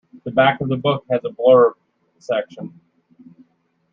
The back of a book has a blurb section.